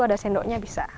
ada sendoknya bisa